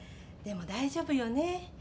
でも大丈夫よね。